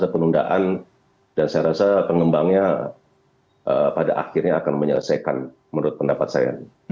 penundaan dan saya rasa pengembangnya pada akhirnya akan menyelesaikan menurut pendapat saya